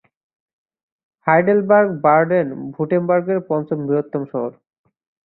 Heidelberg বাডেন-ভুর্টেমবার্গের পঞ্চম বৃহত্তম শহর।